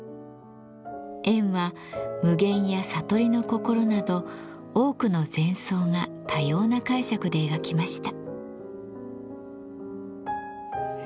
円は無限や悟りの心など多くの禅僧が多様な解釈で描きました。